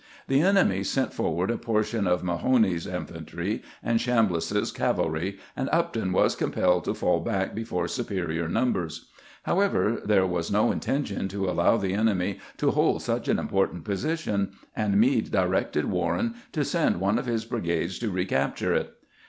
Tbe enemy sent forward a portion of Mabone's infantry and Cbambliss's cavalry, and Upton was compelled to fall back before superior numbers. However, tbere was no intention to allow tbe enemy to bold such an important position, and Meade directed Warren to send one of bis brigades to recapture it.